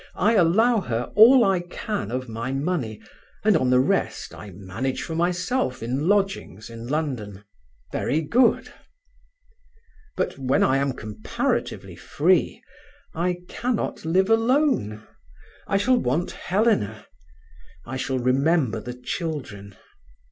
I allow her all I can of my money, and on the rest I manage for myself in lodgings in London. Very good. "But when I am comparatively free I cannot live alone. I shall want Helena; I shall remember the children.